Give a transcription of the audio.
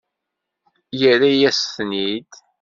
Yerra-yas-ten-id.